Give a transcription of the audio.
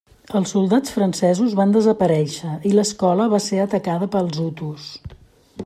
Els soldats francesos van desaparèixer i l'escola va ser atacada pels Hutus.